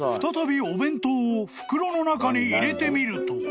［再びお弁当を袋の中に入れてみると］